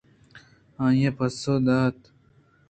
آئی ءَ پسّہ دات